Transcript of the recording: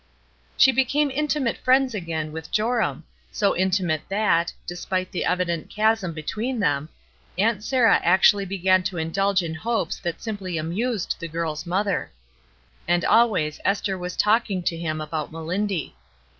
She became intimate friends again with Joram, so intimate that, despite the evident chasm between them, Aunt Sarah actually began to indulge in hopes that simply amused the girl's mother. And always Esther was talking to him about Melindy.